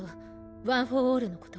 ワン・フォー・オールの事